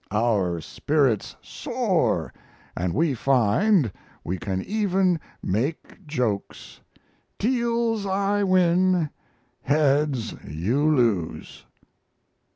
Our spirits soar and we find we can even make jokes; taels I win, heads you lose.